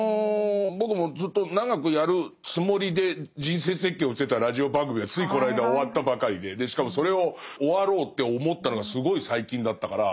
僕もずっと長くやるつもりで人生設計をしてたラジオ番組がついこの間終わったばかりででしかもそれを終わろうって思ったのがすごい最近だったから。